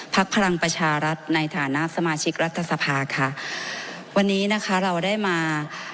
พลังประชารัฐในฐานะสมาชิกรัฐสภาค่ะวันนี้นะคะเราได้มา